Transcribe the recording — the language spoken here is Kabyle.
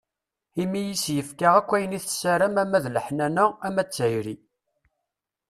Imi i s-yefka akk ayen i tessaram ama d leḥnana, ama d tayri.